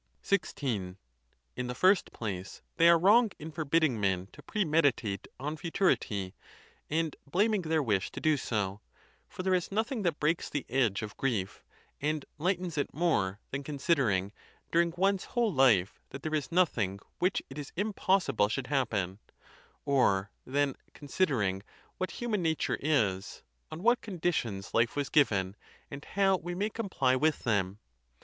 XVI. In the first place, they are wrong in forbidding men to premeditate on futurity and blaming their wish to do so; for there is nothing that breaks the edge of grief and lightens it more than considering, during one's whole life, that there is nothing which it is impossible should happen, or than, considering what human nature is, on what conditions life was given, and how we may comply with them.